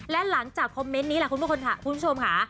และหลังจากคอมเมนต์นี้แหละคุณผู้ชมค่ะ